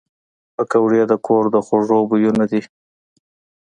پکورې د کور د خوږو بویونه دي